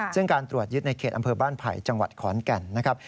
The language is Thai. ซึ่งการตรวจยึดในเขตอำเภอบ้านไผ่จังหวัดขอนแก่นนะครับ